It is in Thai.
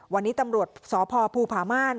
วันนี้ตำรวจสพภูผาม่าน